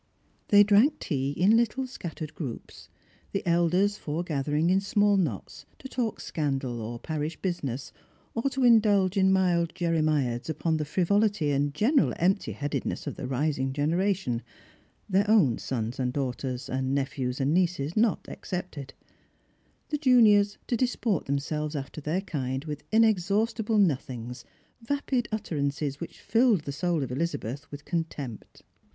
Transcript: They drank tea in little scattered groups: the elders fore gathering in small knots to talk scandal or parish business, or to indulge in mild jeremiads upon the frivolity and gener£c empty headedness of the rising generation, their own sons ana daughters and nephews and nieces not excepted ; the juniors to disport themselves after their kind with inexhatistible nothings, vapid utterances which filled the soul of Elizabeth with con tempt.